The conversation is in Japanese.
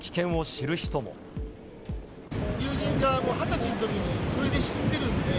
友人が２０歳のときにそれで死んでるんで。